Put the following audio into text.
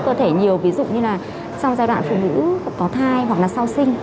cơ thể nhiều ví dụ như là trong giai đoạn phụ nữ có thai hoặc là sau sinh